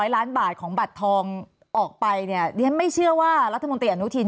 ๒๔๐๐ล้านบาทของบัตรทองออกไปเนี่ยไม่เชื่อว่ารัฐมนตร์หยุด